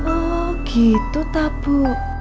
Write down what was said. oh gitu tak bu